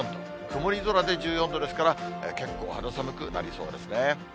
曇り空で１４度ですから、結構肌寒くなりそうですね。